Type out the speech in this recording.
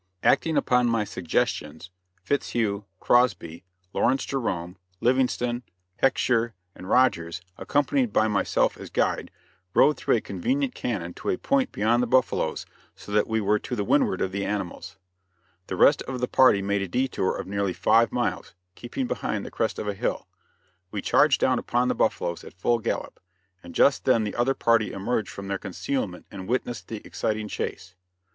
Acting upon my suggestions, Fitzhugh, Crosby, Lawrence Jerome, Livingston, Hecksher and Rogers, accompanied by myself as guide, rode through a convenient cañon to a point beyond the buffaloes, so that we were to the windward of the animals. The rest of the party made a detour of nearly five miles, keeping behind the crest of a hill. We charged down upon the buffaloes, at full gallop, and just then the other party emerged from their concealment and witnessed the exciting chase.